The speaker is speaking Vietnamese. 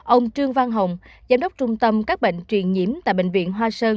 ông trương văn hồng giám đốc trung tâm các bệnh truyền nhiễm tại bệnh viện hoa sơn